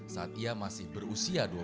saat ia masih belajar